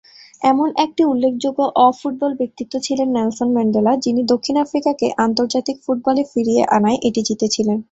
এমন একটি উল্লেখযোগ্য অ-ফুটবল ব্যক্তিত্ব ছিলেন নেলসন ম্যান্ডেলা যিনি দক্ষিণ আফ্রিকাকে আন্তর্জাতিক ফুটবলে ফিরিয়ে আনায় এটি জিতেছিলেন।